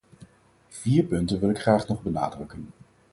Vier punten wil ik graag nog benadrukken.